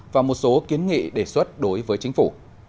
và một số kiến nghị đề xuất đối với chính phủ